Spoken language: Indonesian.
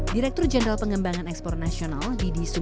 direktur jenderal pengembangan ekspor nasional didi sumedi mengatakan